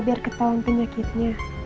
biar ketahuan penyakitnya